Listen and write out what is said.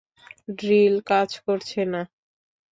Drill কাজ করছে না।